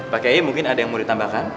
pak kiai mungkin ada yang mau ditambahkan